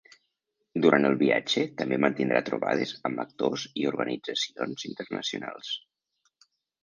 Durant el viatge, també mantindrà trobades amb actors i organitzacions internacionals.